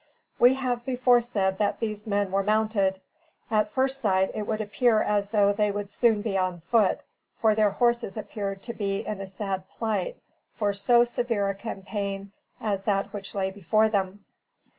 We have before said that these men were mounted. At first sight it would appear as though they would soon be on foot, for their horses appeared to be in a sad plight for so severe a campaign as that which lay before them.